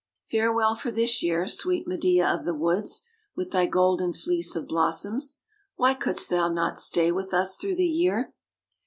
Farewell for this year, sweet Medea of the woods, with thy golden fleece of blossoms! Why couldst thou not stay with us through the year?